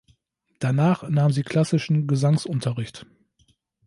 Danach nahm sie klassischen Gesangsunterricht.